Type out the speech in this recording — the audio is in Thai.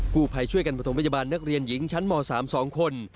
ผู้ภัยช่วยกันประถมพยาบาลนักเรียนหญิงชั้นม๓๒คน